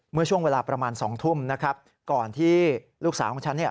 เมื่อช่วงเวลาประมาณสองทุ่มนะครับก่อนที่ลูกสาวของฉันเนี่ย